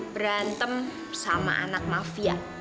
berantem sama anak mafia